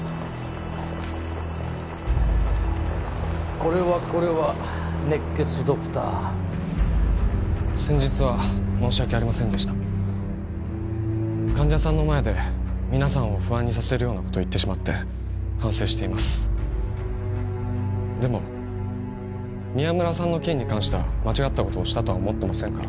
これはこれは熱血ドクター先日は申し訳ありませんでした患者さんの前でみなさんを不安にさせるようなことを言ってしまって反省していますでも宮村さんの件に関しては間違ったことをしたとは思ってませんから